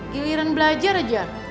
giliran belajar aja